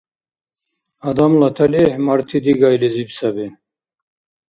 Адамла талихӀ марти дигайлизиб саби.